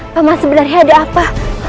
paman sebenarnya ada apa